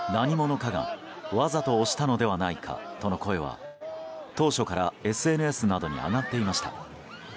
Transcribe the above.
何者かが、わざと押したのではないかとの声は当初からＳＮＳなどに上がっていました。